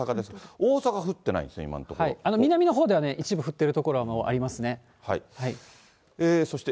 大阪、降ってないですね、南のほうでは一部降っている所はありますね。